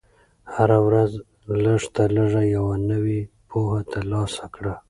هره ورځ لږ تر لږه یوه نوې پوهه ترلاسه کړه.